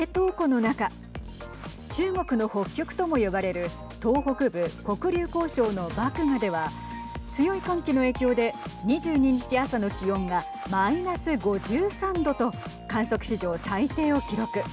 中国の北極とも呼ばれる東北部、黒竜江省の漠河では強い寒気の影響で２２日朝の気温がマイナス５３度と観測史上、最低を記録。